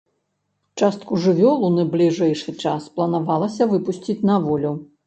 Частку жывёл у найбліжэйшы час планавалася выпусціць на волю.